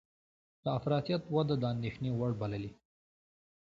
د افراطیت وده د اندېښنې وړ بللې